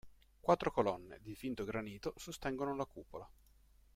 Quattro colonne, di finto granito, sostengono la cupola.